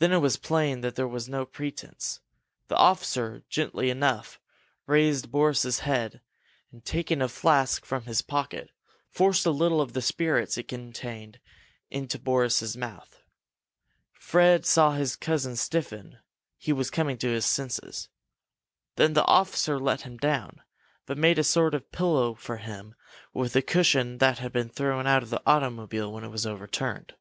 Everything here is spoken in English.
Then it was plain that there was no pretence. The officer, gently enough, raised Boris's head, and taking a flask from his pocket, forced a little of the spirits it contained into Boris's mouth. Fred saw his cousin stiffen; he was coming to his senses. Then the officer let him down, but made a sort of pillow for him with a cushion that had been thrown out of the automobile when it was overturned.